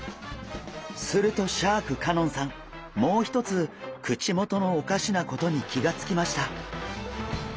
するとシャーク香音さんもう一つ口元のおかしなことに気がつきました。